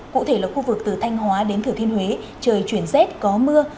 cụ thể là khu vực từ thanh hóa đến thử thiên huế trời chuyển rét có mưa